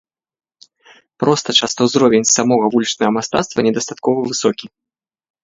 Проста часта ўзровень самога вулічнага мастацтва недастаткова высокі.